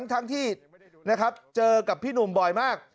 ทั้งที่นะครับเจอกับพี่หนุ่มบ่อยมาก